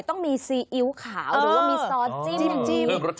ต้องมีซีอิ๊วขาวหรือว่ามีซอสจิ้มน้ำจิ้ม